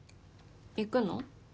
行くの？